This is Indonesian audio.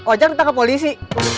ojak ditangkap polisi